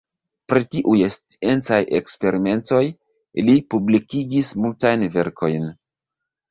Pri tiuj sciencaj eksperimentoj li publikigis multajn verkojn.